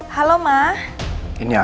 halo mah ini aku nis